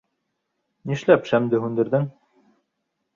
— Нишләп шәмде һүндерҙең?